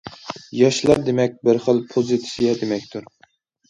ياشلار دېمەك، بىر خىل پوزىتسىيە دېمەكتۇر.